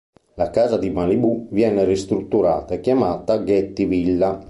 La casa di Malibù viene ristrutturata e chiamata "Getty Villa".